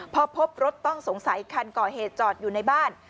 พอพบรถต้องสงสัยคันก่อเหตุจอดอยู่ในบ้าน